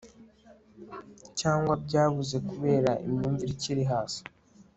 cyangwa byabuze kubera imyumvire ikiri hasi